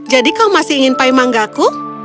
jadi kau masih ingin pie mangkaku